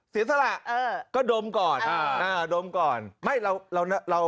สีสระเออก็ดมก่อนอ่าอ่าดมก่อนไม่เราเราเรา